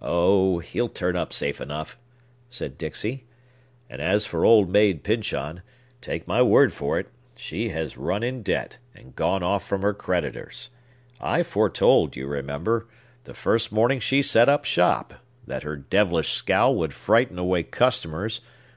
"Oh, he'll turn up safe enough!" said Dixey. "And as for Old Maid Pyncheon, take my word for it, she has run in debt, and gone off from her creditors. I foretold, you remember, the first morning she set up shop, that her devilish scowl would frighten away customers.